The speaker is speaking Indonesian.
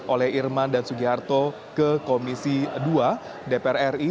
oleh irman dan sugiharto ke komisi dua dpr ri